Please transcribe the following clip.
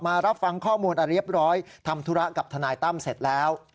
รับฟังข้อมูลอันเรียบร้อยทำธุระกับทนายตั้มเสร็จแล้ว